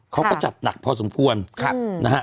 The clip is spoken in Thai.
เขาก็จัดหนักพอสมควรนะฮะ